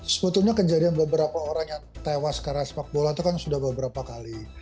sebetulnya kejadian beberapa orang yang tewas karena sepak bola itu kan sudah beberapa kali